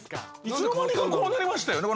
いつの間にかこうなりましたよね。